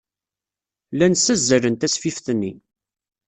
Llan ssazzalen tasfift-nni.